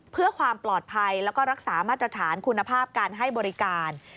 เพื่อความปลอดภัยแล้วก็รักษามาตรฐานคุณภาพการให้บริการ